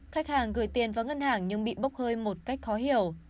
khách hàng gửi tiền vào ngân hàng nhưng bị bốc hơi một cách khó hiểu